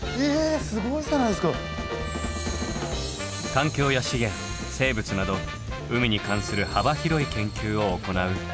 環境や資源生物など海に関する幅広い研究を行う。